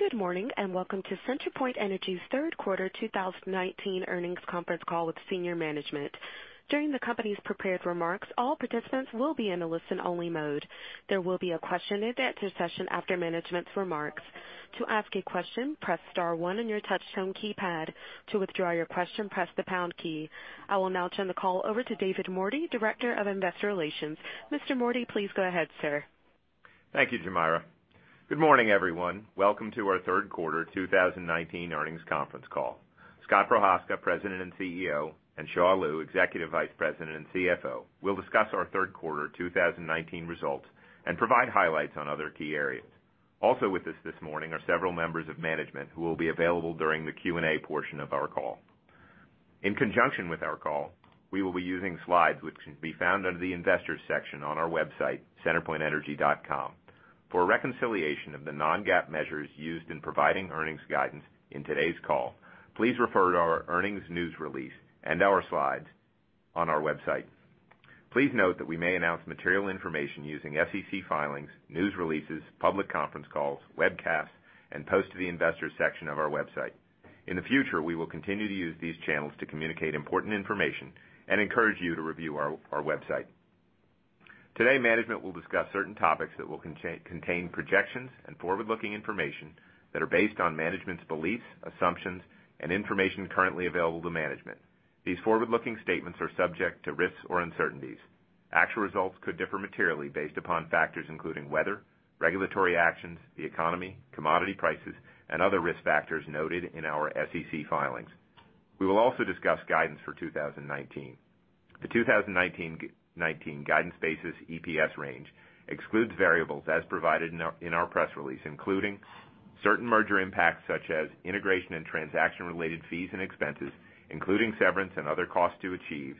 Good morning, welcome to CenterPoint Energy's third quarter 2019 earnings conference call with senior management. During the company's prepared remarks, all participants will be in a listen-only mode. There will be a question-and-answer session after management's remarks. To ask a question, press star one on your touchtone keypad. To withdraw your question, press the pound key. I will now turn the call over to David Mordy, Director of Investor Relations. Mr. Mordy, please go ahead, sir. Thank you, Jamira. Good morning, everyone. Welcome to our third quarter 2019 earnings conference call. Scott Prochazka, President and Chief Executive Officer, Xia Liu, Executive Vice President and Chief Financial Officer, will discuss our third quarter 2019 results and provide highlights on other key areas. Also with us this morning are several members of management who will be available during the Q&A portion of our call. In conjunction with our call, we will be using slides, which can be found under the Investors section on our website, centerpointenergy.com. For a reconciliation of the non-GAAP measures used in providing earnings guidance in today's call, please refer to our earnings news release and our slides on our website. Please note that we may announce material information using SEC filings, news releases, public conference calls, webcasts, and posts to the Investors section of our website. In the future, we will continue to use these channels to communicate important information and encourage you to review our website. Today, management will discuss certain topics that will contain projections and forward-looking information that are based on management's beliefs, assumptions, and information currently available to management. These forward-looking statements are subject to risks or uncertainties. Actual results could differ materially based upon factors including weather, regulatory actions, the economy, commodity prices, and other risk factors noted in our SEC filings. We will also discuss guidance for 2019. The 2019 guidance basis EPS range excludes variables as provided in our press release, including certain merger impacts such as integration and transaction-related fees and expenses, including severance and other costs to achieve,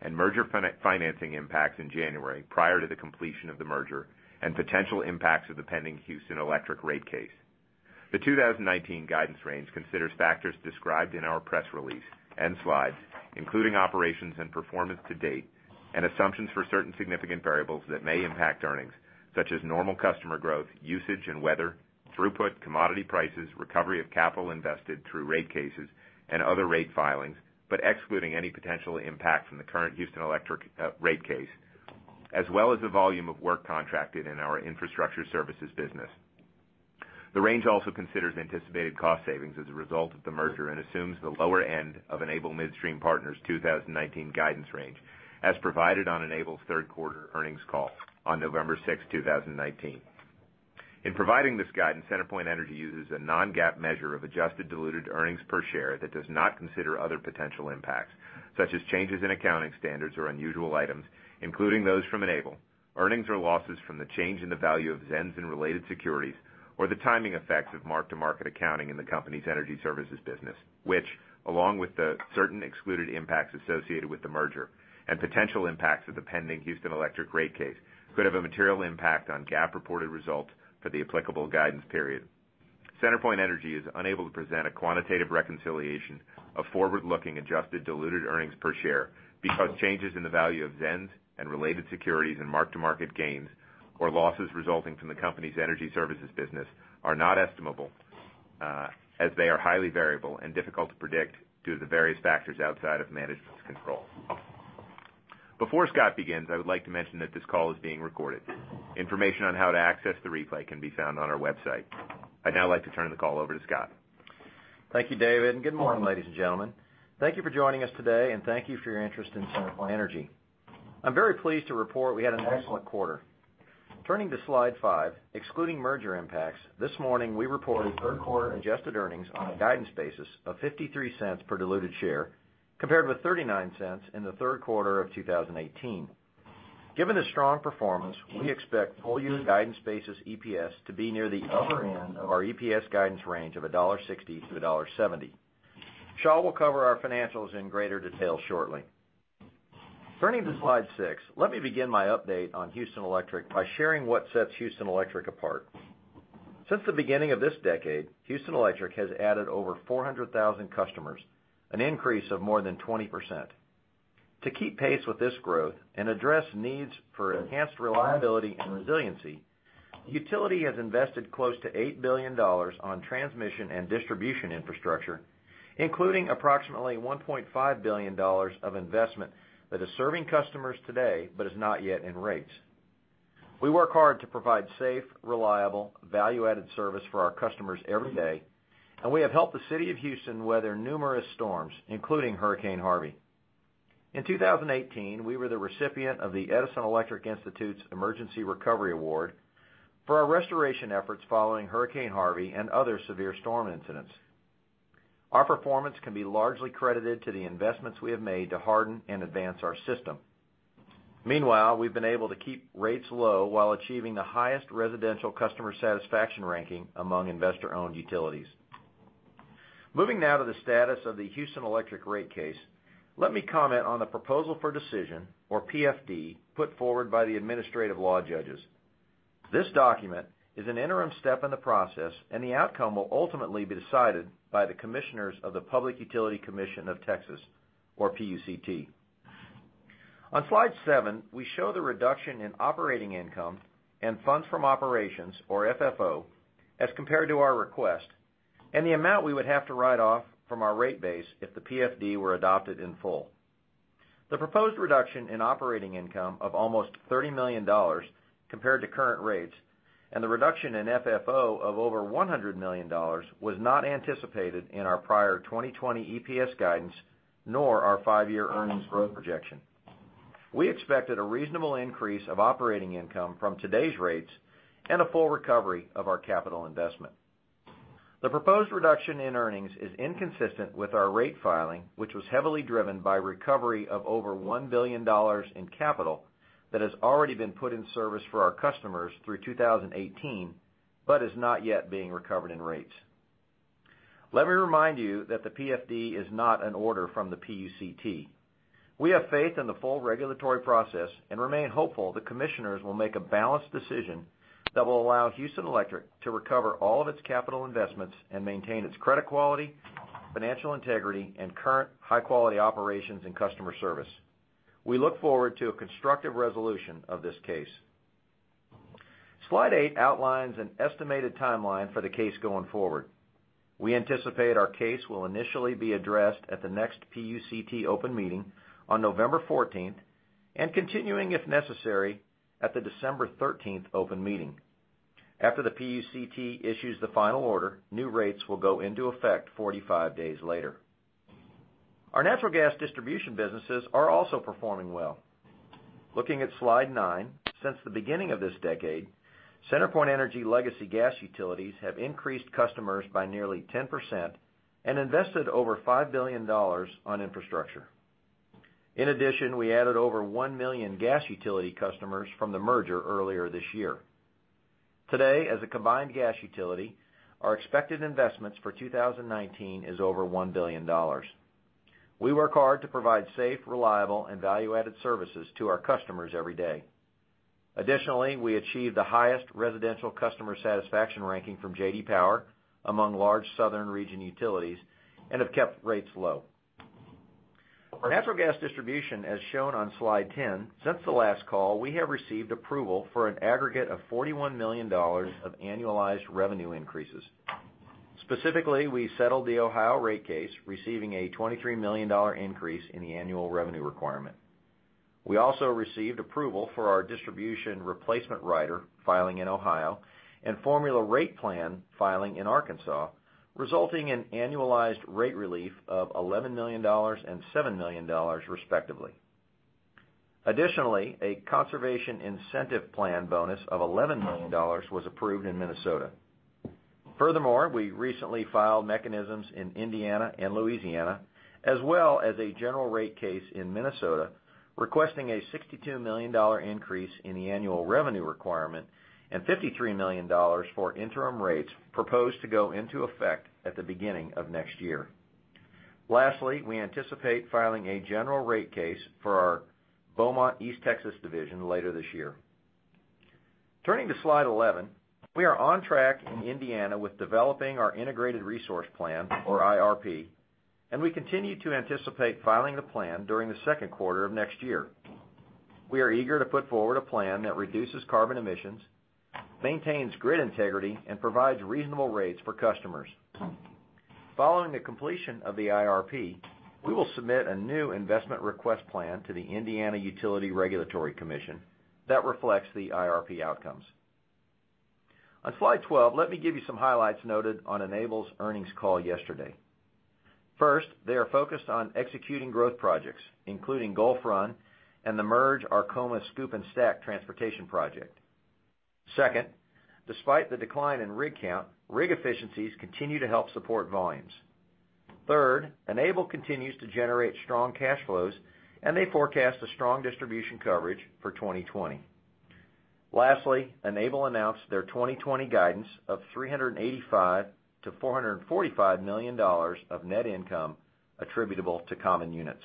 and merger financing impacts in January prior to the completion of the merger, and potential impacts of the pending Houston Electric rate case. The 2019 guidance range considers factors described in our press release and slides, including operations and performance to date and assumptions for certain significant variables that may impact earnings, such as normal customer growth, usage and weather, throughput, commodity prices, recovery of capital invested through rate cases, and other rate filings, but excluding any potential impact from the current Houston Electric rate case, as well as the volume of work contracted in our infrastructure services business. The range also considers anticipated cost savings as a result of the merger and assumes the lower end of Enable Midstream Partners' 2019 guidance range, as provided on Enable's third-quarter earnings call on November 6, 2019. In providing this guidance, CenterPoint Energy uses a non-GAAP measure of adjusted diluted earnings per share that does not consider other potential impacts, such as changes in accounting standards or unusual items, including those from Enable, earnings or losses from the change in the value of ZENS and related securities, or the timing effects of mark-to-market accounting in the company's energy services business, which, along with the certain excluded impacts associated with the merger and potential impacts of the pending Houston Electric rate case, could have a material impact on GAAP-reported results for the applicable guidance period. CenterPoint Energy is unable to present a quantitative reconciliation of forward-looking adjusted diluted earnings per share because changes in the value of ZENS and related securities and mark-to-market gains or losses resulting from the company's energy services business are not estimable, as they are highly variable and difficult to predict due to the various factors outside of management's control. Before Scott begins, I would like to mention that this call is being recorded. Information on how to access the replay can be found on our website. I'd now like to turn the call over to Scott. Thank you, David, good morning, ladies and gentlemen. Thank you for joining us today, thank you for your interest in CenterPoint Energy. I'm very pleased to report we had an excellent quarter. Turning to slide five, excluding merger impacts, this morning we reported third-quarter adjusted earnings on a guidance basis of $0.53 per diluted share, compared with $0.39 in the third quarter of 2018. Given the strong performance, we expect full-year guidance basis EPS to be near the upper end of our EPS guidance range of $1.60-$1.70. Xia will cover our financials in greater detail shortly. Turning to slide six, let me begin my update on Houston Electric by sharing what sets Houston Electric apart. Since the beginning of this decade, Houston Electric has added over 400,000 customers, an increase of more than 20%. To keep pace with this growth and address needs for enhanced reliability and resiliency, CenterPoint Energy has invested close to $8 billion on transmission and distribution infrastructure, including approximately $1.5 billion of investment that is serving customers today but is not yet in rates. We work hard to provide safe, reliable, value-added service for our customers every day, and we have helped the city of Houston weather numerous storms, including Hurricane Harvey. In 2018, we were the recipient of the Edison Electric Institute's Emergency Recovery Award for our restoration efforts following Hurricane Harvey and other severe storm incidents. Our performance can be largely credited to the investments we have made to harden and advance our system. Meanwhile, we've been able to keep rates low while achieving the highest residential customer satisfaction ranking among investor-owned utilities. Moving now to the status of the Houston Electric rate case, let me comment on the proposal for decision, or PFD, put forward by the administrative law judges. This document is an interim step in the process, and the outcome will ultimately be decided by the commissioners of the Public Utility Commission of Texas, or PUCT. On slide seven, we show the reduction in operating income and funds from operations, or FFO, as compared to our request, and the amount we would have to write off from our rate base if the PFD were adopted in full. The proposed reduction in operating income of almost $30 million compared to current rates, and the reduction in FFO of over $100 million, was not anticipated in our prior 2020 EPS guidance, nor our five-year earnings growth projection. We expected a reasonable increase of operating income from today's rates and a full recovery of our capital investment. The proposed reduction in earnings is inconsistent with our rate filing, which was heavily driven by recovery of over $1 billion in capital that has already been put in service for our customers through 2018, but is not yet being recovered in rates. Let me remind you that the PFD is not an order from the PUCT. We have faith in the full regulatory process and remain hopeful the commissioners will make a balanced decision that will allow Houston Electric to recover all of its capital investments and maintain its credit quality, financial integrity, and current high-quality operations and customer service. We look forward to a constructive resolution of this case. Slide eight outlines an estimated timeline for the case going forward. We anticipate our case will initially be addressed at the next PUCT open meeting on November 14th and continuing, if necessary, at the December 13th open meeting. After the PUCT issues the final order, new rates will go into effect 45 days later. Our natural gas distribution businesses are also performing well. Looking at slide nine, since the beginning of this decade, CenterPoint Energy legacy gas utilities have increased customers by nearly 10% and invested over $5 billion on infrastructure. In addition, we added over 1 million gas utility customers from the merger earlier this year. Today, as a combined gas utility, our expected investments for 2019 is over $1 billion. We work hard to provide safe, reliable, and value-added services to our customers every day. Additionally, we achieved the highest residential customer satisfaction ranking from J.D. Power among large southern region utilities and have kept rates low. For natural gas distribution, as shown on slide 10, since the last call, we have received approval for an aggregate of $41 million of annualized revenue increases. Specifically, we settled the Ohio rate case, receiving a $23 million increase in the annual revenue requirement. We also received approval for our distribution replacement rider filing in Ohio and formula rate plan filing in Arkansas, resulting in annualized rate relief of $11 million and $7 million, respectively. Additionally, a conservation incentive plan bonus of $11 million was approved in Minnesota. Furthermore, we recently filed mechanisms in Indiana and Louisiana, as well as a general rate case in Minnesota, requesting a $62 million increase in the annual revenue requirement and $53 million for interim rates proposed to go into effect at the beginning of next year. Lastly, we anticipate filing a general rate case for our Beaumont East Texas division later this year. Turning to slide 11, we are on track in Indiana with developing our integrated resource plan, or IRP, and we continue to anticipate filing the plan during the second quarter of next year. We are eager to put forward a plan that reduces carbon emissions, maintains grid integrity, and provides reasonable rates for customers. Following the completion of the IRP, we will submit a new investment request plan to the Indiana Utility Regulatory Commission that reflects the IRP outcomes. On slide 12, let me give you some highlights noted on Enable's earnings call yesterday. First, they are focused on executing growth projects, including Gulf Run and the MERGE Arkoma SCOOP and STACK transportation project. Second, despite the decline in rig count, rig efficiencies continue to help support volumes. Third, Enable continues to generate strong cash flows, and they forecast a strong distribution coverage for 2020. Lastly, Enable announced their 2020 guidance of $385 million-$445 million of net income attributable to common units.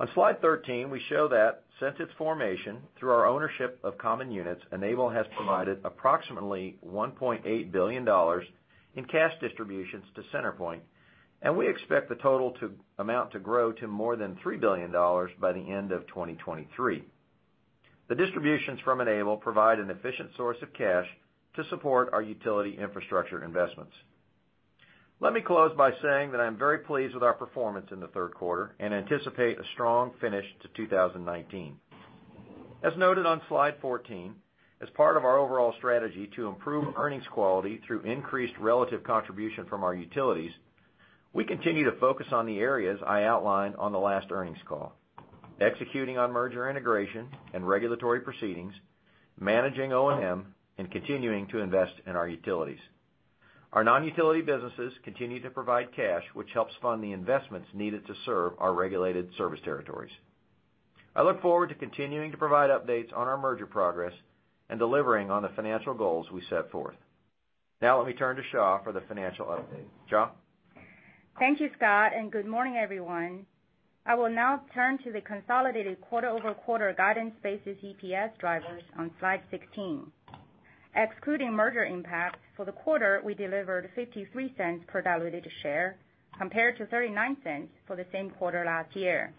On slide 13, we show that since its formation through our ownership of common units, Enable has provided approximately $1.8 billion in cash distributions to CenterPoint, and we expect the total amount to grow to more than $3 billion by the end of 2023. The distributions from Enable provide an efficient source of cash to support our utility infrastructure investments. Let me close by saying that I am very pleased with our performance in the third quarter and anticipate a strong finish to 2019. As noted on slide 14, as part of our overall strategy to improve earnings quality through increased relative contribution from our utilities, we continue to focus on the areas I outlined on the last earnings call. Executing on merger integration and regulatory proceedings, managing O&M, and continuing to invest in our utilities. Our non-utility businesses continue to provide cash, which helps fund the investments needed to serve our regulated service territories. I look forward to continuing to provide updates on our merger progress and delivering on the financial goals we set forth. Let me turn to Xia for the financial update. Xia? Thank you, Scott. Good morning, everyone. I will now turn to the consolidated quarter-over-quarter guidance-based EPS drivers on slide 16. Excluding merger impact for the quarter, we delivered $0.53 per diluted share, compared to $0.39 for the same quarter last year.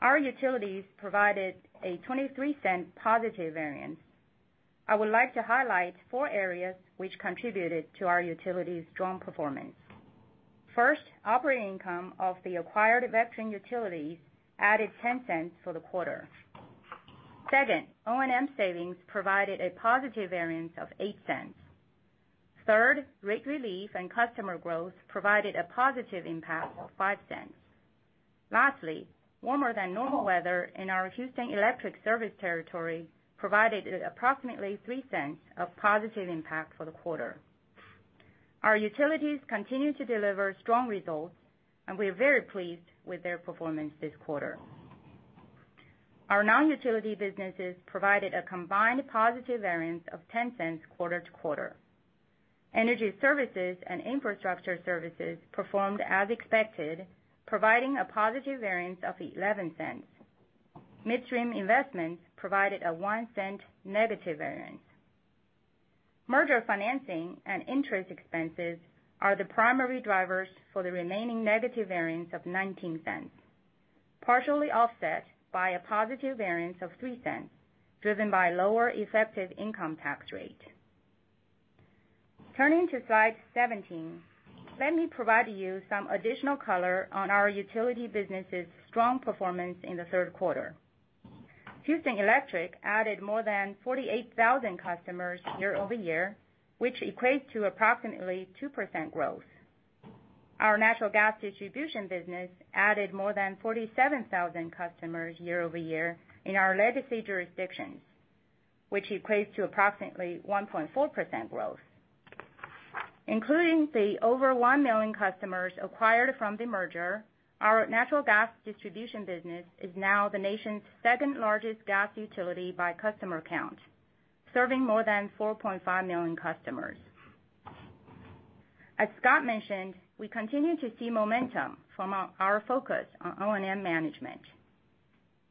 Our utilities provided a $0.23 positive variance. I would like to highlight four areas which contributed to our utility's strong performance. First, operating income of the acquired Vectren utilities added $0.10 for the quarter. Second, O&M savings provided a positive variance of $0.08. Third, rate relief and customer growth provided a positive impact of $0.05. Lastly, warmer than normal weather in our Houston Electric service territory provided approximately $0.03 of positive impact for the quarter. Our utilities continue to deliver strong results, and we are very pleased with their performance this quarter. Our non-utility businesses provided a combined positive variance of $0.10 quarter-to-quarter. Energy services and infrastructure services performed as expected, providing a positive variance of $0.11. Midstream investments provided a $0.01 negative variance. Merger financing and interest expenses are the primary drivers for the remaining negative variance of $0.19, partially offset by a positive variance of $0.03, driven by lower effective income tax rate. Turning to slide 17, let me provide you some additional color on our utility business' strong performance in the third quarter. Houston Electric added more than 48,000 customers year-over-year, which equates to approximately 2% growth. Our natural gas distribution business added more than 47,000 customers year-over-year in our legacy jurisdictions, which equates to approximately 1.4% growth. Including the over 1 million customers acquired from the merger, our natural gas distribution business is now the nation's second-largest gas utility by customer count, serving more than 4.5 million customers. As Scott mentioned, we continue to see momentum from our focus on O&M management.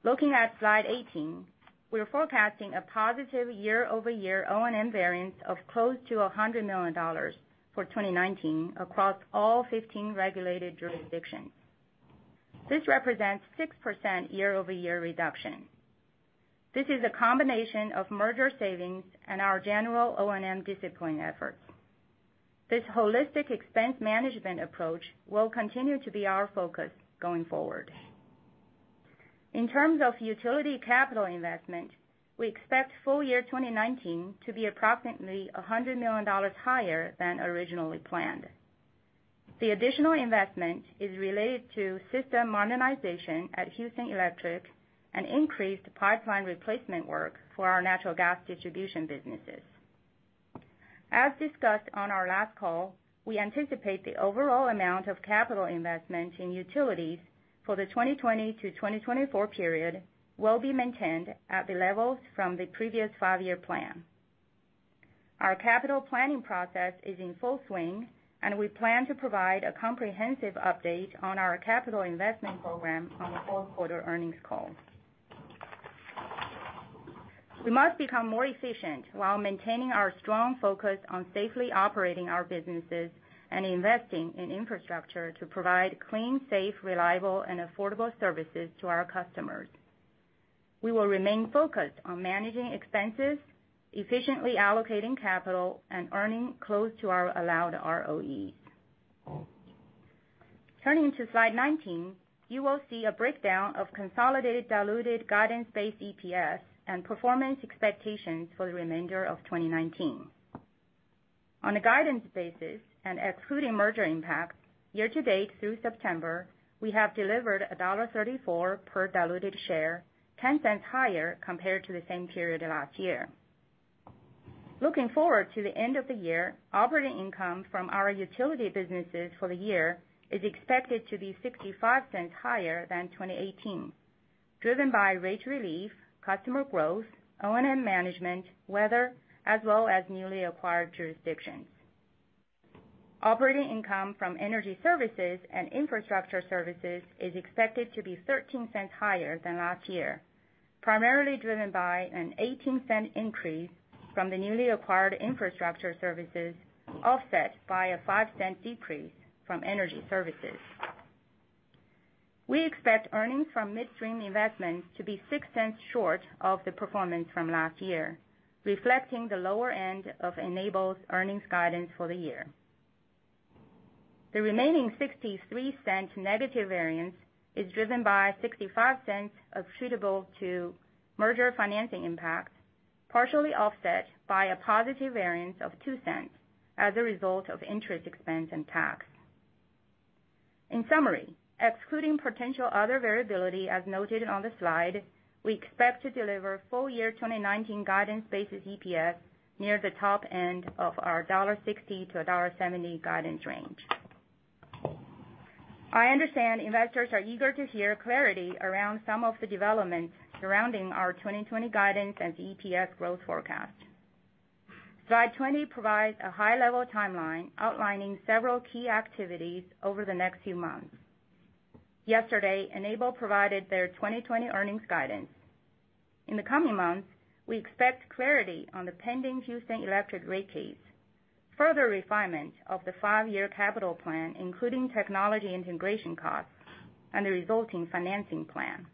Looking at slide 18, we are forecasting a positive year-over-year O&M variance of close to $100 million for 2019 across all 15 regulated jurisdictions. This represents 6% year-over-year reduction. This is a combination of merger savings and our general O&M discipline efforts. This holistic expense management approach will continue to be our focus going forward. In terms of utility capital investment, we expect full year 2019 to be approximately $100 million higher than originally planned. The additional investment is related to system modernization at Houston Electric and increased pipeline replacement work for our natural gas distribution businesses. As discussed on our last call, we anticipate the overall amount of capital investment in utilities for the 2020 to 2024 period will be maintained at the levels from the previous five-year plan. Our capital planning process is in full swing, and we plan to provide a comprehensive update on our capital investment program on the fourth quarter earnings call. We must become more efficient while maintaining our strong focus on safely operating our businesses and investing in infrastructure to provide clean, safe, reliable, and affordable services to our customers. We will remain focused on managing expenses, efficiently allocating capital, and earning close to our allowed ROEs. Turning to slide 19, you will see a breakdown of consolidated diluted guidance-based EPS and performance expectations for the remainder of 2019. On a guidance basis and excluding merger impact, year to date through September, we have delivered $1.34 per diluted share, $0.10 higher compared to the same period last year. Looking forward to the end of the year, operating income from our utility businesses for the year is expected to be $0.65 higher than 2018, driven by rate relief, customer growth, O&M management, weather, as well as newly acquired jurisdictions. Operating income from energy services and infrastructure services is expected to be $0.13 higher than last year, primarily driven by an $0.18 increase from the newly acquired infrastructure services, offset by a $0.05 decrease from energy services. We expect earnings from midstream investments to be $0.06 short of the performance from last year, reflecting the lower end of Enable's earnings guidance for the year. The remaining $0.63 negative variance is driven by $0.65 attributable to merger financing impact, partially offset by a positive variance of $0.02 as a result of interest expense and tax. In summary, excluding potential other variability as noted on the slide, we expect to deliver full year 2019 guidance basis EPS near the top end of our $1.60-$1.70 guidance range. I understand investors are eager to hear clarity around some of the developments surrounding our 2020 guidance and EPS growth forecast. Slide 20 provides a high-level timeline outlining several key activities over the next few months. Yesterday, Enable provided their 2020 earnings guidance. In the coming months, we expect clarity on the pending Houston Electric rate case, further refinement of the five-year capital plan, including technology integration costs and the resulting financing plan.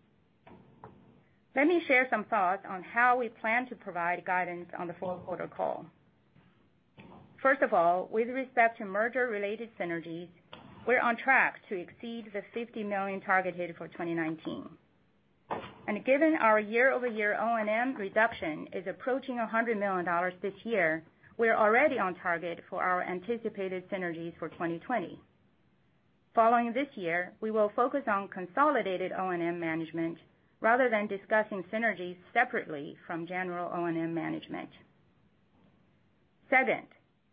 Let me share some thoughts on how we plan to provide guidance on the fourth quarter call. First of all, with respect to merger-related synergies, we're on track to exceed the $50 million target hit for 2019. Given our year-over-year O&M reduction is approaching $100 million this year, we are already on target for our anticipated synergies for 2020. Following this year, we will focus on consolidated O&M management rather than discussing synergies separately from general O&M management. Second,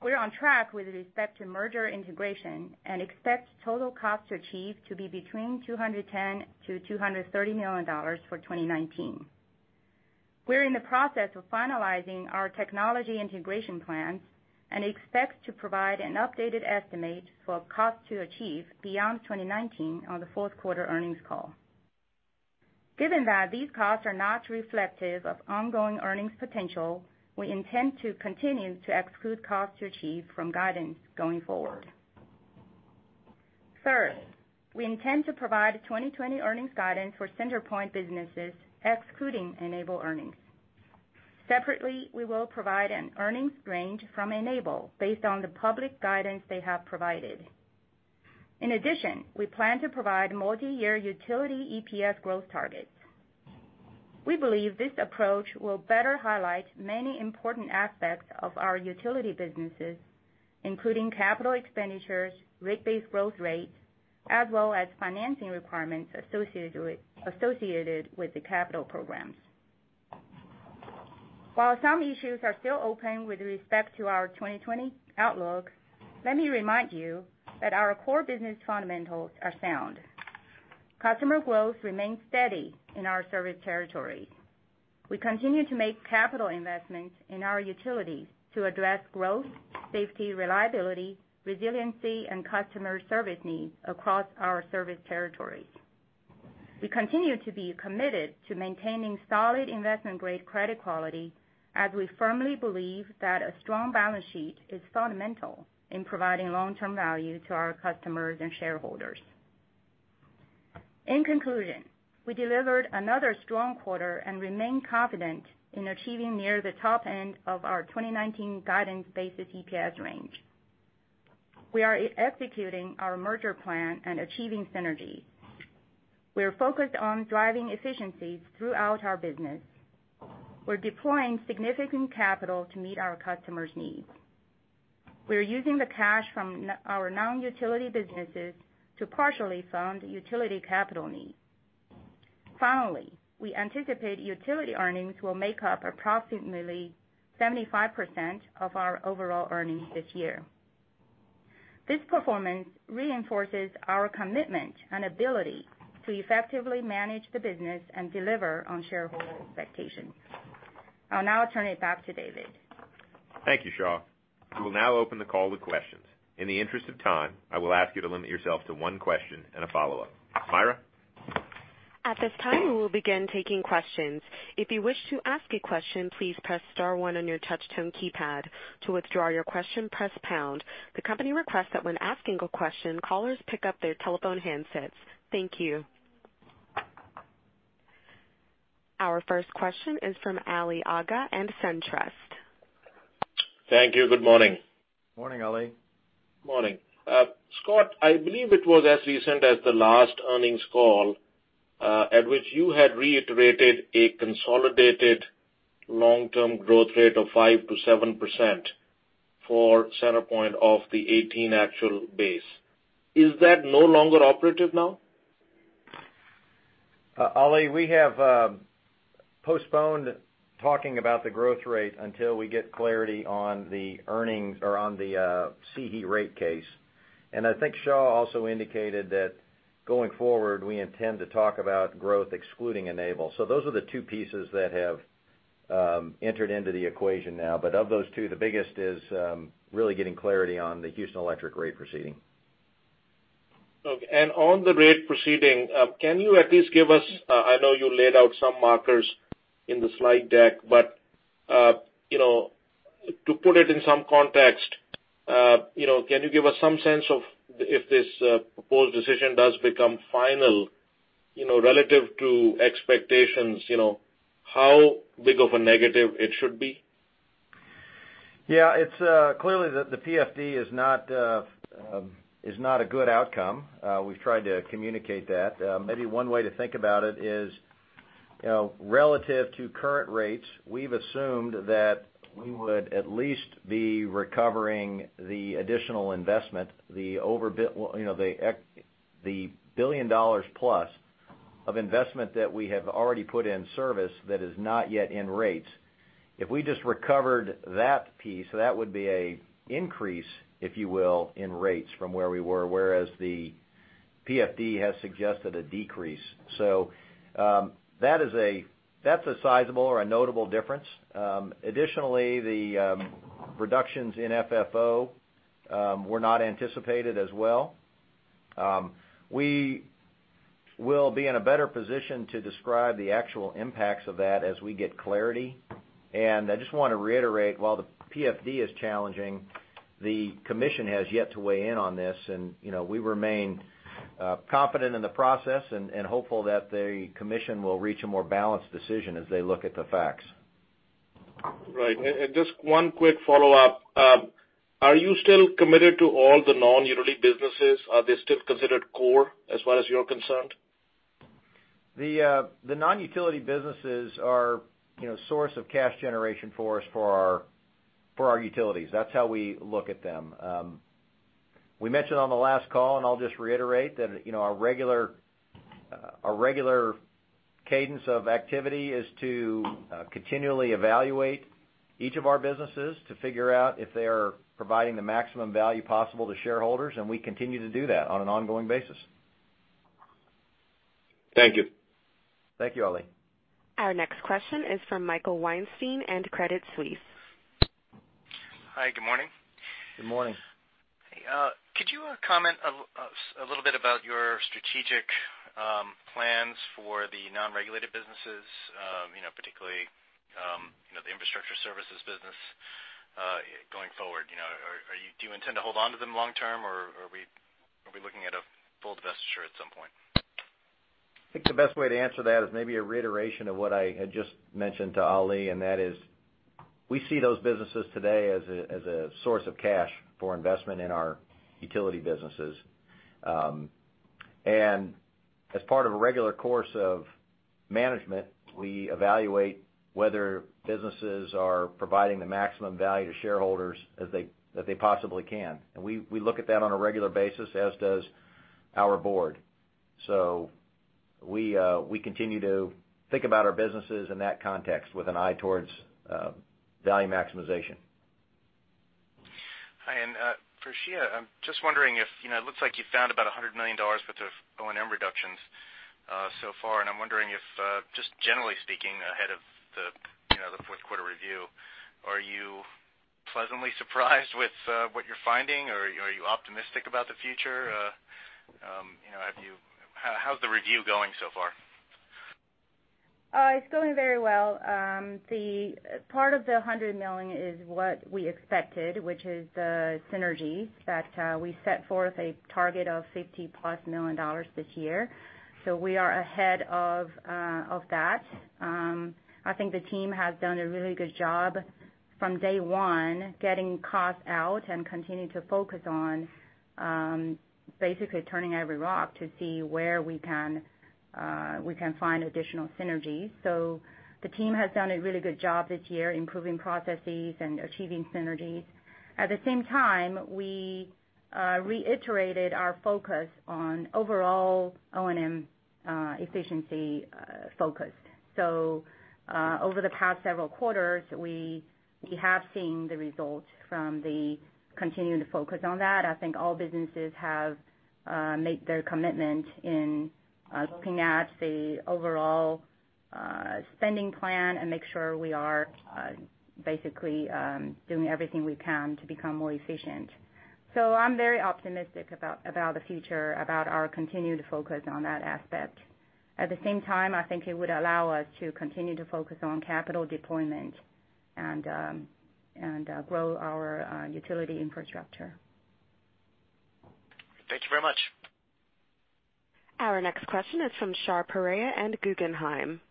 we're on track with respect to merger integration and expect total cost to achieve to be between $210 million-$230 million for 2019. We're in the process of finalizing our technology integration plans and expect to provide an updated estimate for cost to achieve beyond 2019 on the fourth quarter earnings call. Given that these costs are not reflective of ongoing earnings potential, we intend to continue to exclude cost to achieve from guidance going forward. We intend to provide 2020 earnings guidance for CenterPoint businesses excluding Enable earnings. Separately, we will provide an earnings range from Enable based on the public guidance they have provided. We plan to provide multi-year utility EPS growth targets. We believe this approach will better highlight many important aspects of our utility businesses, including capital expenditures, rate-based growth rates, as well as financing requirements associated with the capital programs. While some issues are still open with respect to our 2020 outlook, let me remind you that our core business fundamentals are sound. Customer growth remains steady in our service territories. We continue to make capital investments in our utilities to address growth, safety, reliability, resiliency, and customer service needs across our service territories. We continue to be committed to maintaining solid investment-grade credit quality, as we firmly believe that a strong balance sheet is fundamental in providing long-term value to our customers and shareholders. In conclusion, we delivered another strong quarter and remain confident in achieving near the top end of our 2019 guidance-based EPS range. We are executing our merger plan and achieving synergies. We are focused on driving efficiencies throughout our business. We're deploying significant capital to meet our customers' needs. We are using the cash from our non-utility businesses to partially fund utility capital needs. Finally, we anticipate utility earnings will make up approximately 75% of our overall earnings this year. This performance reinforces our commitment and ability to effectively manage the business and deliver on shareholder expectations. I'll now turn it back to David. Thank you, Xia. I will now open the call to questions. In the interest of time, I will ask you to limit yourself to one question and a follow-up. Myra? At this time, we will begin taking questions. If you wish to ask a question, please press star one on your touch tone keypad. To withdraw your question, press pound. The company requests that when asking a question, callers pick up their telephone handsets. Thank you. Our first question is from Ali Agha and SunTrust. Thank you. Good morning. Morning, Ali. Morning. Scott, I believe it was as recent as the last earnings call, at which you had reiterated a consolidated long-term growth rate of 5%-7% for CenterPoint of the 18 actual base. Is that no longer operative now? Ali, we have postponed talking about the growth rate until we get clarity on the earnings or on the CE rate case. I think Xia also indicated that going forward, we intend to talk about growth excluding Enable. Those are the two pieces that have entered into the equation now. Of those two, the biggest is really getting clarity on the Houston Electric rate proceeding. Okay. On the rate proceeding, I know you laid out some markers in the slide deck, but to put it in some context, can you give us some sense of if this proposed decision does become final, relative to expectations, how big of a negative it should be? It's clearly that the PFD is not a good outcome. We've tried to communicate that. Maybe one way to think about it is, relative to current rates, we've assumed that we would at least be recovering the additional investment, the $1 billion plus of investment that we have already put in service that is not yet in rates. If we just recovered that piece, that would be an increase, if you will, in rates from where we were, whereas the PFD has suggested a decrease. That's a sizable or a notable difference. Additionally, the reductions in FFO were not anticipated as well. We will be in a better position to describe the actual impacts of that as we get clarity. I just want to reiterate, while the PFD is challenging, the commission has yet to weigh in on this and we remain confident in the process and hopeful that the commission will reach a more balanced decision as they look at the facts. Right. Just one quick follow-up. Are you still committed to all the non-utility businesses? Are they still considered core as far as you're concerned? The non-utility businesses are source of cash generation for us for our utilities. That's how we look at them. We mentioned on the last call, and I'll just reiterate, that our regular cadence of activity is to continually evaluate each of our businesses to figure out if they are providing the maximum value possible to shareholders, and we continue to do that on an ongoing basis. Thank you. Thank you, Ali. Our next question is from Michael Weinstein and Credit Suisse. Hi, good morning. Good morning. Could you comment a little bit about your strategic plans for the non-regulated businesses, particularly the infrastructure services business going forward? Do you intend to hold onto them long term, or are we looking at a full divestiture at some point? I think the best way to answer that is maybe a reiteration of what I had just mentioned to Ali, and that is, we see those businesses today as a source of cash for investment in our utility businesses. As part of a regular course of management, we evaluate whether businesses are providing the maximum value to shareholders as they possibly can. We look at that on a regular basis, as does our board. We continue to think about our businesses in that context with an eye towards value maximization. Hi, and for Xia, I'm just wondering if it looks like you found about $100 million worth of O&M reductions so far, and I'm wondering if, just generally speaking ahead of the fourth quarter review, are you pleasantly surprised with what you're finding, or are you optimistic about the future? How's the review going so far? It's going very well. Part of the $100 million is what we expected, which is the synergy that we set forth a target of $50+ million this year. We are ahead of that. I think the team has done a really good job from day one, getting costs out and continuing to focus on basically turning every rock to see where we can find additional synergies. The team has done a really good job this year improving processes and achieving synergies. At the same time, we reiterated our focus on overall O&M efficiency focus. Over the past several quarters, we have seen the results from the continuing to focus on that. I think all businesses have made their commitment in looking at the overall spending plan and make sure we are basically doing everything we can to become more efficient. I'm very optimistic about the future, about our continued focus on that aspect. At the same time, I think it would allow us to continue to focus on capital deployment and grow our utility infrastructure. Thank you very much. Our next question is from Shahriar Pourreza and Guggenheim.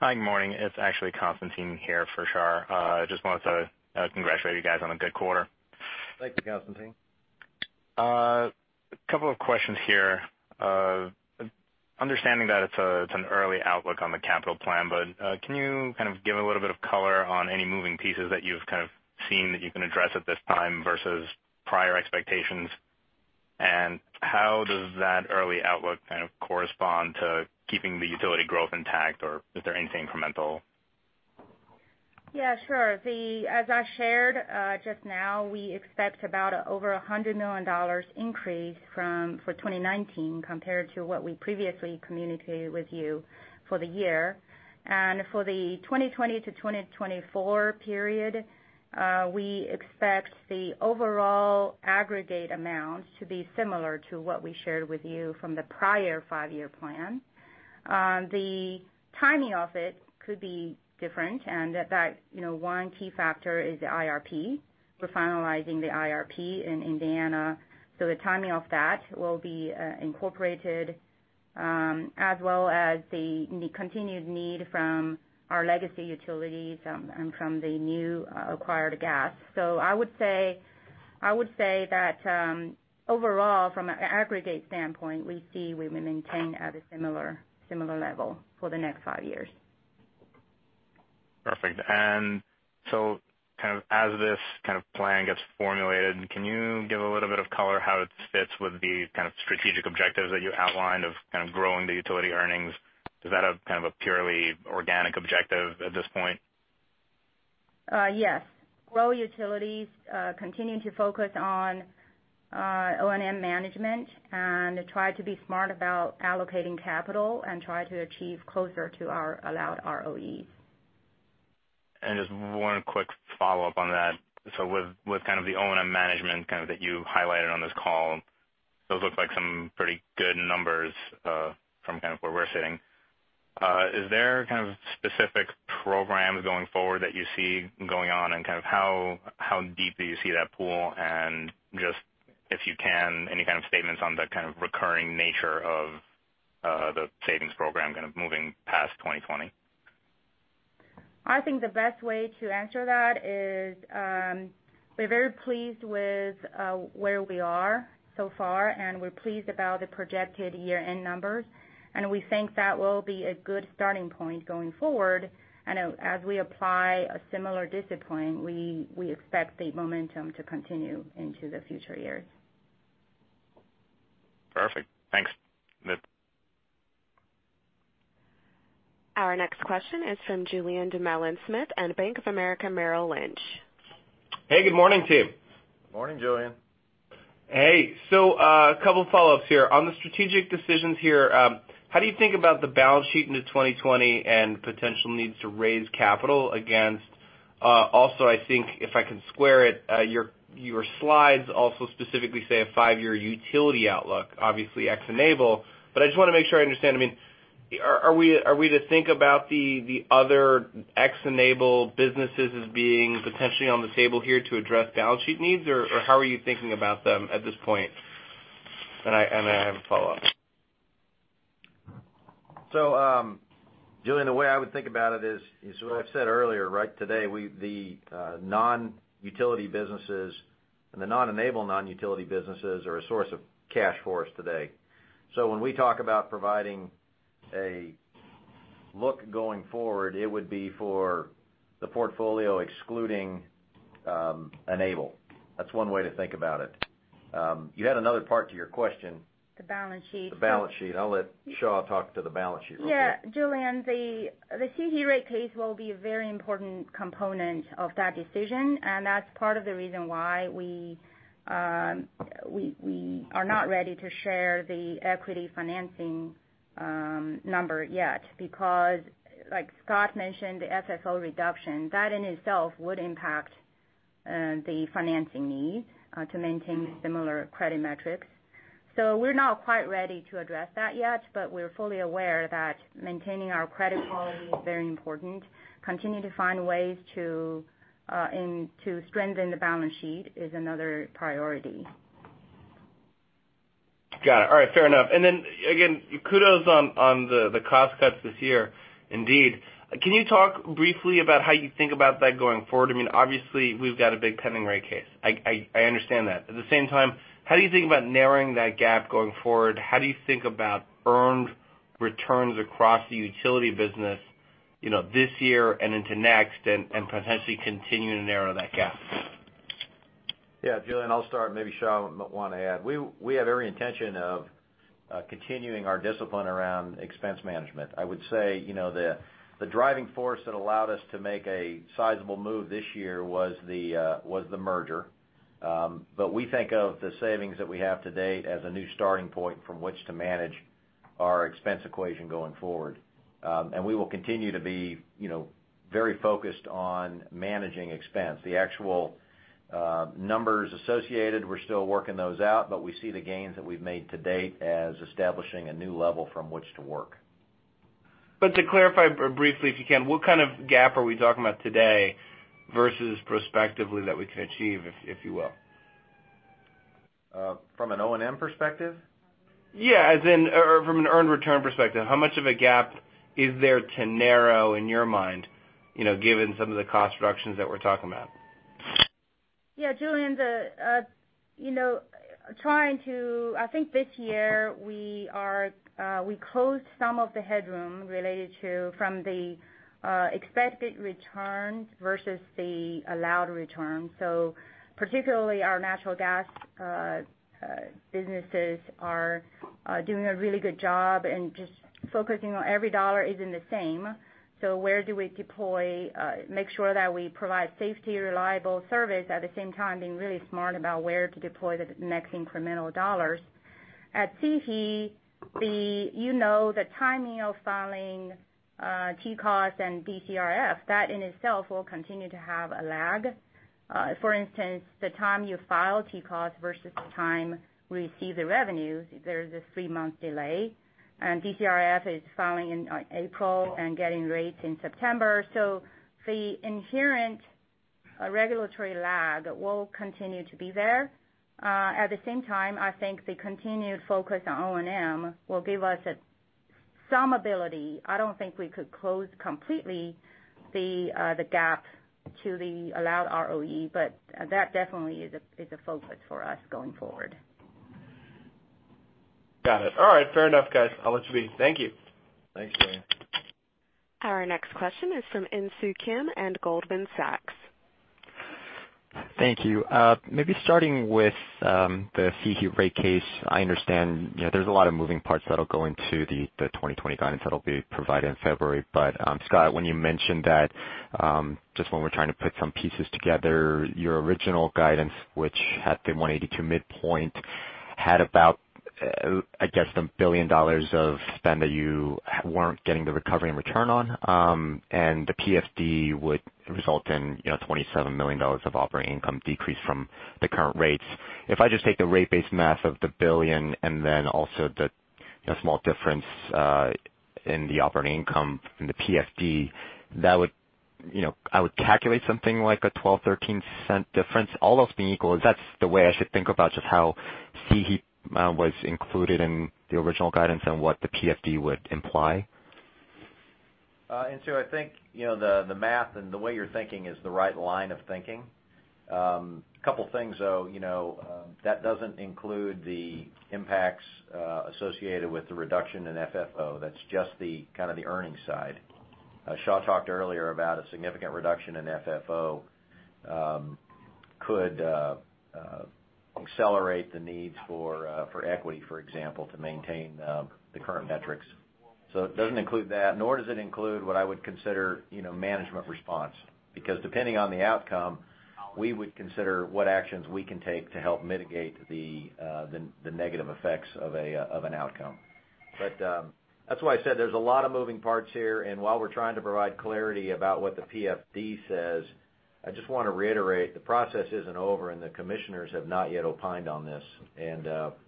Hi, good morning. It's actually Constantine here for Shar. I just wanted to congratulate you guys on a good quarter. Thanks, Constantine. A couple of questions here. Understanding that it's an early outlook on the capital plan, but can you kind of give a little bit of color on any moving pieces that you've kind of seen that you can address at this time versus prior expectations? How does that early outlook kind of correspond to keeping the utility growth intact or is there anything incremental? Yeah, sure. As I shared just now, we expect over $100 million increase for 2019 compared to what we previously communicated with you for the year. For the 2020 to 2024 period, we expect the overall aggregate amount to be similar to what we shared with you from the prior five-year plan. The timing of it could be different, and one key factor is the IRP. We're finalizing the IRP in Indiana, so the timing of that will be incorporated, as well as the continued need from our legacy utilities and from the new acquired gas. I would say that overall, from an aggregate standpoint, we see we will maintain at a similar level for the next five years. Perfect. As this kind of plan gets formulated, can you give a little bit of color how it fits with the kind of strategic objectives that you outlined of kind of growing the utility earnings? Is that a kind of a purely organic objective at this point? Yes. Grow utilities, continuing to focus on O&M management and try to be smart about allocating capital and try to achieve closer to our allowed ROEs. Just one quick follow-up on that. With kind of the O&M management that you highlighted on this call, those look like some pretty good numbers from where we're sitting. Is there kind of specific programs going forward that you see going on and kind of how deep do you see that pool and just, if you can, any kind of statements on the kind of recurring nature of the savings program kind of moving past 2020? I think the best way to answer that is, we're very pleased with where we are so far, and we're pleased about the projected year-end numbers. We think that will be a good starting point going forward. As we apply a similar discipline, we expect the momentum to continue into the future years. Perfect. Thanks. Our next question is from Julien Dumoulin-Smith and Bank of America Merrill Lynch. Hey, good morning, team. Morning, Julien. Hey. A couple follow-ups here. On the strategic decisions here, how do you think about the balance sheet into 2020 and potential needs to raise capital against. Also, I think if I can square it, your slides also specifically say a five-year utility outlook, obviously ex Enable. I just want to make sure I understand. Are we to think about the other ex Enable businesses as being potentially on the table here to address balance sheet needs? Or how are you thinking about them at this point? I have a follow-up. Julien, the way I would think about it is what I've said earlier, right? Today, the non-utility businesses and the non-Enable non-utility businesses are a source of cash for us today. When we talk about providing a look going forward, it would be for the portfolio excluding Enable. That's one way to think about it. You had another part to your question. The balance sheet. The balance sheet. I'll let Xia talk to the balance sheet real quick. Yeah. Julien, the CE rate case will be a very important component of that decision, and that's part of the reason why we are not ready to share the equity financing number yet. Like Scott mentioned, the FFO reduction, that in itself would impact the financing need to maintain similar credit metrics. We're not quite ready to address that yet, but we're fully aware that maintaining our credit quality is very important. Continuing to find ways to strengthen the balance sheet is another priority. Got it. All right, fair enough. Again, kudos on the cost cuts this year, indeed. Can you talk briefly about how you think about that going forward? Obviously, we've got a big pending rate case. I understand that. At the same time, how do you think about narrowing that gap going forward? How do you think about earned returns across the utility business this year and into next and potentially continuing to narrow that gap? Yeah. Julien, I'll start, maybe Sha might want to add. We have every intention of continuing our discipline around expense management. I would say, the driving force that allowed us to make a sizable move this year was the merger. We think of the savings that we have to date as a new starting point from which to manage our expense equation going forward. We will continue to be very focused on managing expense. The actual numbers associated, we're still working those out, but we see the gains that we've made to date as establishing a new level from which to work. To clarify briefly, if you can, what kind of gap are we talking about today versus prospectively that we can achieve, if you will? From an O&M perspective? Yeah. As in, from an earned return perspective, how much of a gap is there to narrow in your mind, given some of the cost reductions that we're talking about? Yeah. Julien, I think this year we closed some of the headroom related to from the expected returns versus the allowed returns. Particularly our natural gas businesses are doing a really good job and just focusing on every dollar isn't the same. Where do we deploy, make sure that we provide safety, reliable service, at the same time, being really smart about where to deploy the next incremental dollars. At CE, the timing of filing TCOS and DCRF, that in itself will continue to have a lag. For instance, the time you file TCOS versus the time we receive the revenues, there is a three-month delay. DCRF is filing in April and getting rates in September. The inherent regulatory lag will continue to be there. At the same time, I think the continued focus on O&M will give us some ability. I don't think we could close completely the gap to the allowed ROE, but that definitely is a focus for us going forward. Got it. All right. Fair enough, guys. I'll let you be. Thank you. Thanks, Julien. Our next question is from Insoo Kim and Goldman Sachs. Thank you. Starting with the CE rate case. I understand there's a lot of moving parts that'll go into the 2020 guidance that'll be provided in February. Scott, when you mentioned that, just when we're trying to put some pieces together, your original guidance, which had the 182 midpoint had about, I guess, $1 billion of spend that you weren't getting the recovery and return on. The PFD would result in $27 million of operating income decrease from the current rates. If I just take the rate base math of the $1 billion and then also the small difference, in the operating income from the PFD, I would calculate something like a $0.12, $0.13 difference, all else being equal. That's the way I should think about just how CE was included in the original guidance and what the PFD would imply. I think, the math and the way you're thinking is the right line of thinking. Couple things, though. That doesn't include the impacts associated with the reduction in FFO. That's just the kind of the earnings side. Xia talked earlier about a significant reduction in FFO could accelerate the needs for equity, for example, to maintain the current metrics. It doesn't include that, nor does it include what I would consider management response. Depending on the outcome, we would consider what actions we can take to help mitigate the negative effects of an outcome. That's why I said there's a lot of moving parts here, while we're trying to provide clarity about what the PFD says, I just want to reiterate the process isn't over, and the commissioners have not yet opined on this.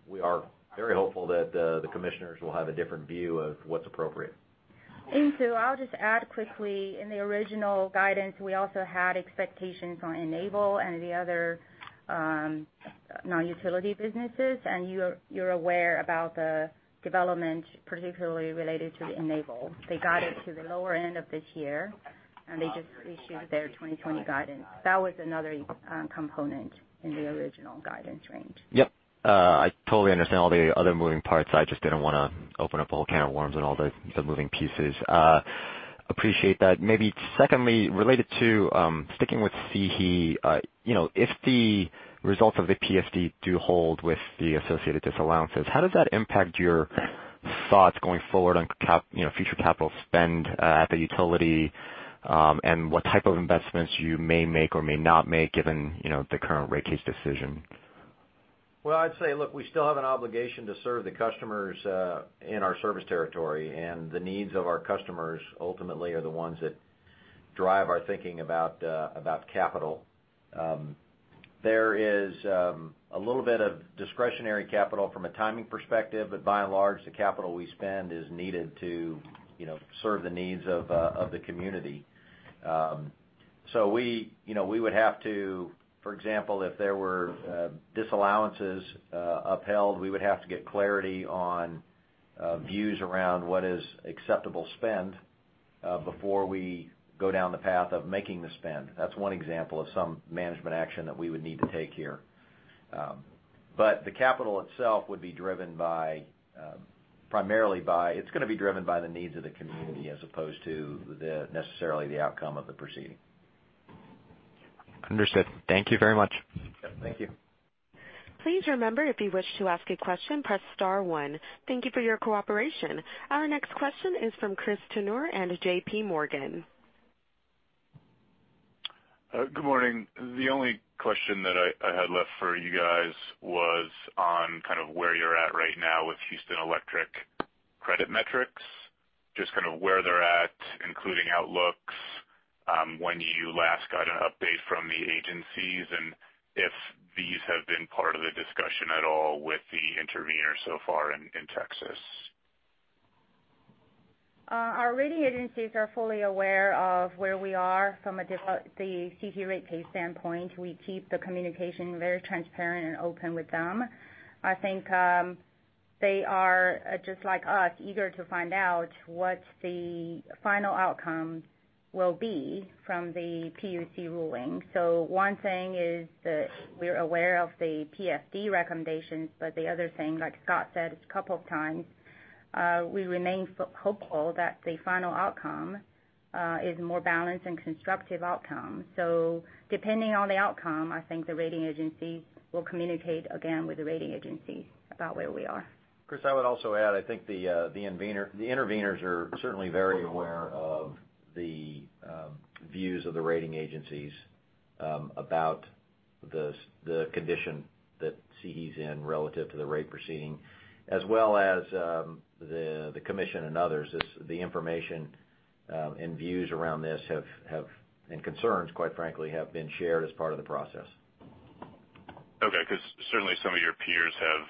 We are very hopeful that the commissioners will have a different view of what's appropriate. I'll just add quickly, in the original guidance, we also had expectations on Enable and the other non-utility businesses, and you're aware about the development, particularly related to Enable. They guided to the lower end of this year, and they just issued their 2020 guidance. That was another component in the original guidance range. Yep. I totally understand all the other moving parts. I just didn't want to open up a whole can of worms on all the moving pieces. Appreciate that. Maybe secondly, related to sticking with CE, if the results of the PFD do hold with the associated disallowances, how does that impact your thoughts going forward on future capital spend at the utility? What type of investments you may make or may not make given the current rate case decision? Well, I'd say, look, we still have an obligation to serve the customers in our service territory. The needs of our customers ultimately are the ones that drive our thinking about capital. There is a little bit of discretionary capital from a timing perspective, but by and large, the capital we spend is needed to serve the needs of the community. We would have to, for example, if there were disallowances upheld, we would have to get clarity on views around what is acceptable spend before we go down the path of making the spend. That's one example of some management action that we would need to take here. The capital itself would be driven primarily by the needs of the community as opposed to necessarily the outcome of the proceeding. Understood. Thank you very much. Yeah. Thank you. Please remember, if you wish to ask a question, press star one. Thank you for your cooperation. Our next question is from Christopher Turnure and JP Morgan. Good morning. The only question that I had left for you guys was on kind of where you're at right now with Houston Electric credit metrics, just kind of where they're at, including outlooks, when you last got an update from the agencies, and if these have been part of the discussion at all with the interveners so far in Texas. Our rating agencies are fully aware of where we are from the CE rate case standpoint. We keep the communication very transparent and open with them. I think they are, just like us, eager to find out what the final outcome will be from the PUC ruling. One thing is that we are aware of the PFD recommendations, but the other thing, like Scott said a couple of times, we remain hopeful that the final outcome is more balanced and constructive outcome. Depending on the outcome, I think the rating agency will communicate again with the rating agency about where we are. Chris, I would also add, I think the interveners are certainly very aware of the views of the rating agencies about the condition that CE's in relative to the rate proceeding as well as the commission and others. The information and views around this have, and concerns quite frankly, have been shared as part of the process. Okay, because certainly some of your peers have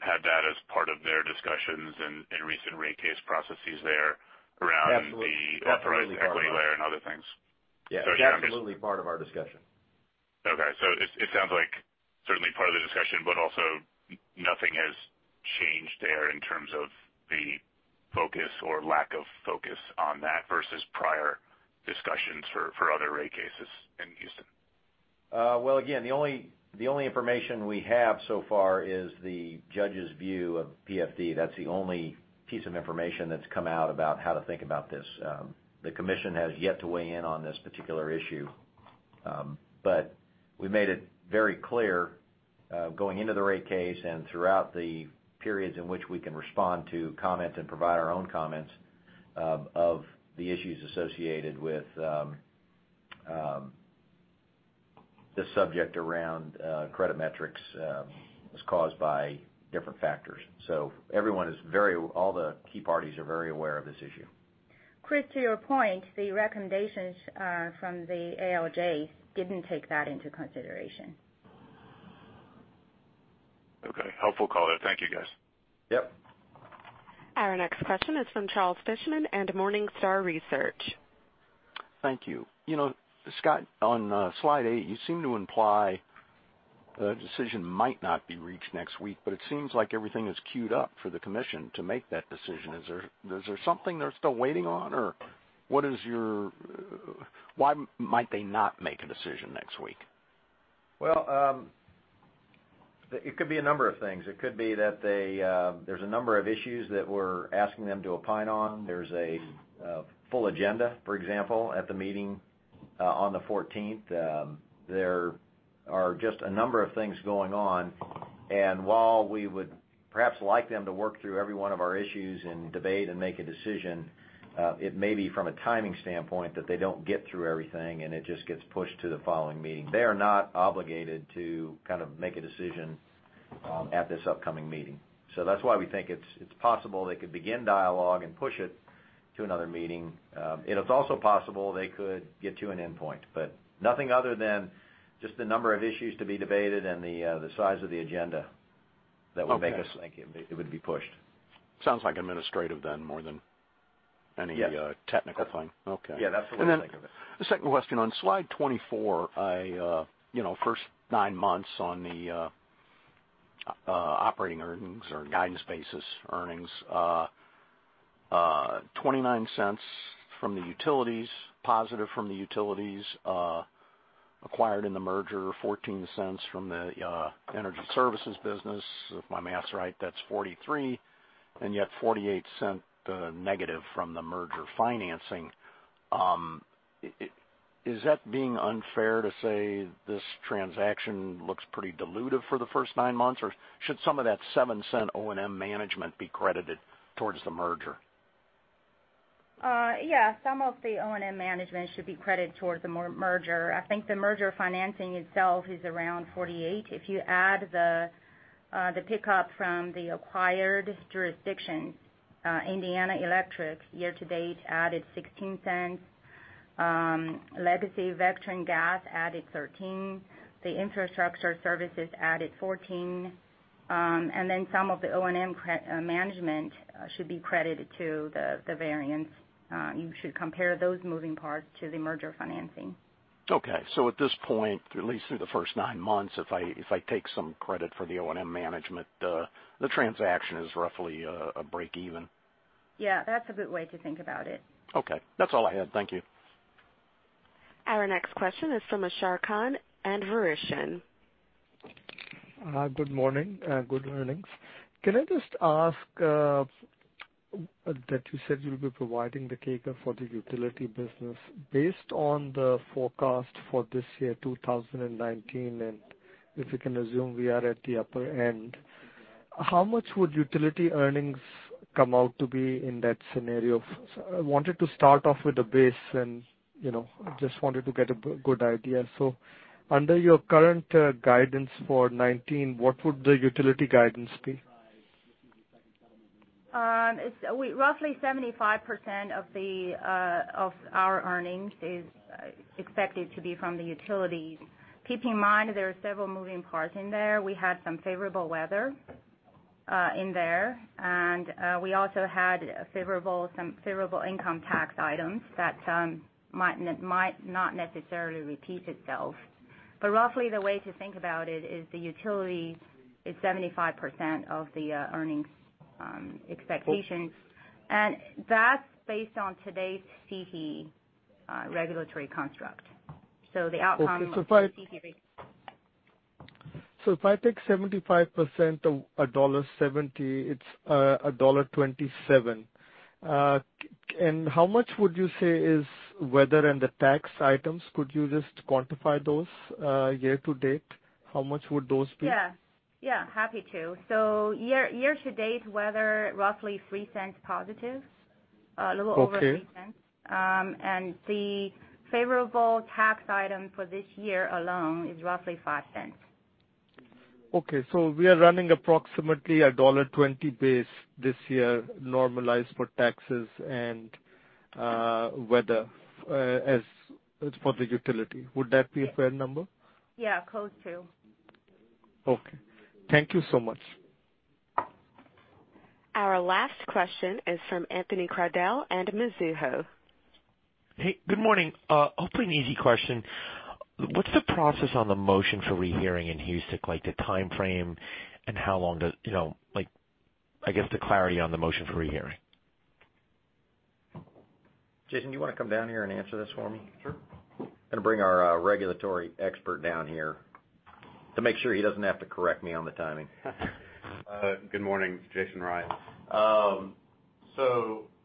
had that as part of their discussions in recent rate case processes there. Absolutely. equity layer and other things. Yeah. It's absolutely part of our discussion. Okay. It sounds like certainly part of the discussion, but also nothing has changed there in terms of the focus or lack of focus on that versus prior discussions for other rate cases in Houston. Well, again, the only information we have so far is the judge's view of PFD. That's the only piece of information that's come out about how to think about this. The commission has yet to weigh in on this particular issue. We made it very clear, going into the rate case and throughout the periods in which we can respond to comments and provide our own comments of the issues associated with. The subject around credit metrics is caused by different factors. Everyone, all the key parties are very aware of this issue. Chris, to your point, the recommendations from the ALJ didn't take that into consideration. Okay. Helpful call there. Thank you, guys. Yep. Our next question is from Charles Fishman and Morningstar Research. Thank you. Scott, on slide eight, you seem to imply a decision might not be reached next week, it seems like everything is queued up for the commission to make that decision. Is there something they're still waiting on? Why might they not make a decision next week? Well, it could be a number of things. It could be that there's a number of issues that we're asking them to opine on. There's a full agenda, for example, at the meeting on the fourteenth. There are just a number of things going on, and while we would perhaps like them to work through every one of our issues and debate and make a decision, it may be from a timing standpoint that they don't get through everything, and it just gets pushed to the following meeting. They are not obligated to make a decision at this upcoming meeting. That's why we think it's possible they could begin dialogue and push it to another meeting. It is also possible they could get to an endpoint, but nothing other than just the number of issues to be debated and the size of the agenda that would make us think it would be pushed. Sounds like administrative then more than. Yeah technical thing. Okay. Yeah, that's the way to think of it. The second question on slide 24. First nine months on the operating earnings or guidance basis earnings, $0.29 from the utilities, positive from the utilities, acquired in the merger, $0.14 from the energy services business. If my math's right, that's 43, and yet $0.48 negative from the merger financing. Is that being unfair to say this transaction looks pretty dilutive for the first nine months, or should some of that $0.07 O&M management be credited towards the merger? Yeah. Some of the O&M management should be credited towards the merger. I think the merger financing itself is around $48. If you add the pickup from the acquired jurisdictions. Indiana Electric year to date added $0.16. Legacy Vectren Gas added $0.13. The infrastructure services added $0.14. Some of the O&M management should be credited to the variance. You should compare those moving parts to the merger financing. Okay. At this point, at least through the first nine months, if I take some credit for the O&M management, the transaction is roughly a break even. Yeah, that's a good way to think about it. Okay. That's all I had. Thank you. Our next question is from Ashar Khan and Verition. Good morning and good earnings. Can I just ask that you said you'll be providing the CAGR for the utility business based on the forecast for this year, 2019, and if we can assume we are at the upper end, how much would utility earnings come out to be in that scenario? I wanted to start off with the base, and just wanted to get a good idea. Under your current guidance for 2019, what would the utility guidance be? Roughly 75% of our earnings is expected to be from the utilities. Keeping in mind there are several moving parts in there. We had some favorable weather in there, and we also had some favorable income tax items that might not necessarily repeat itself. Roughly the way to think about it is the utility is 75% of the earnings expectations. That's based on today's CE regulatory construct. Okay. If I take 75% of $1.70, it's $1.27. How much would you say is weather and the tax items? Could you just quantify those year to date? How much would those be? Yeah. Happy to. Year to date weather, roughly $0.03 positive. Okay. A little over $0.03. The favorable tax item for this year alone is roughly $0.05. Okay. We are running approximately $1.20 base this year, normalized for taxes and weather as for the utility. Would that be a fair number? Yeah, close to. Okay. Thank you so much. Our last question is from Anthony Crowdell and Mizuho. Hey, good morning. Hopefully an easy question. What's the process on the motion for rehearing in Houston? Like the time frame and I guess the clarity on the motion for rehearing. Jason, do you want to come down here and answer this for me? Sure. Going to bring our regulatory expert down here to make sure he doesn't have to correct me on the timing. Good morning. Jason Ryan.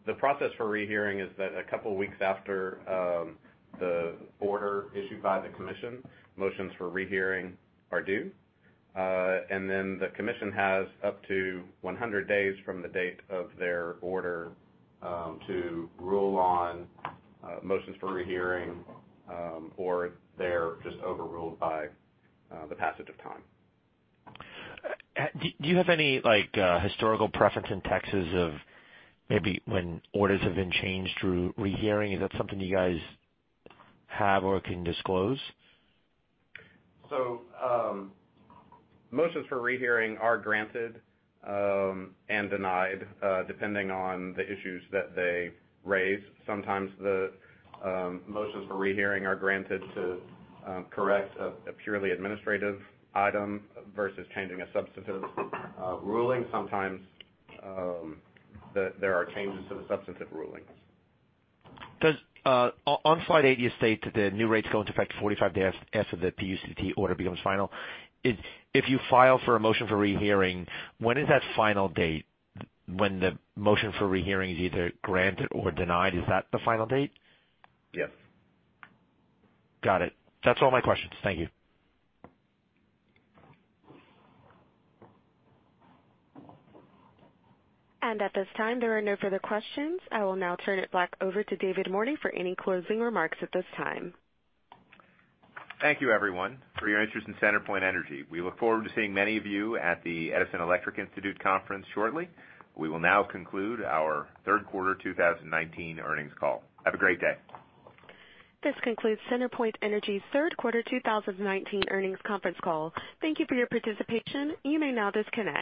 The process for rehearing is that a couple of weeks after the order issued by the commission, motions for rehearing are due. The commission has up to 100 days from the date of their order to rule on motions for rehearing, or they're just overruled by the passage of time. Do you have any historical preference in Texas of maybe when orders have been changed through rehearing? Is that something you guys have or can disclose? Motions for rehearing are granted and denied depending on the issues that they raise. Sometimes the motions for rehearing are granted to correct a purely administrative item versus changing a substantive ruling. Sometimes there are changes to the substantive rulings. On slide eight, you state that the new rates go into effect 45 days after the PUCT order becomes final. If you file for a motion for rehearing, when is that final date when the motion for rehearing is either granted or denied? Is that the final date? Yes. Got it. That's all my questions. Thank you. At this time, there are no further questions. I will now turn it back over to David Mordy for any closing remarks at this time. Thank you everyone for your interest in CenterPoint Energy. We look forward to seeing many of you at the Edison Electric Institute conference shortly. We will now conclude our third quarter 2019 earnings call. Have a great day. This concludes CenterPoint Energy's third quarter 2019 earnings conference call. Thank you for your participation. You may now disconnect.